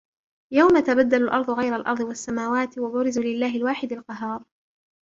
يوم تبدل الأرض غير الأرض والسماوات وبرزوا لله الواحد القهار